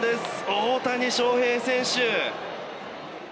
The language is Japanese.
大谷翔平選手。